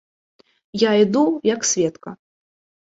Я іду, як сведка.